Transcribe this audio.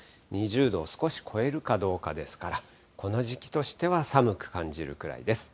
２０度を少し超えるかどうかですから、この時期としては寒く感じるくらいです。